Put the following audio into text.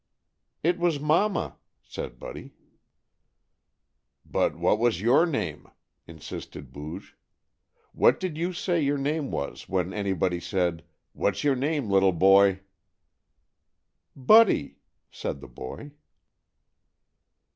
"It was Mama," said Buddy. "But what was your name?" insisted Booge. "What did you say your name was when anybody said, 'What's your name, little boy?'" "Buddy," said the boy.